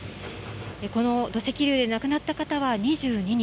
この土石流で亡くなった方は２２人。